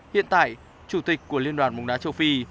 hiện tại chủ tịch của liên đoàn bóng đá châu phi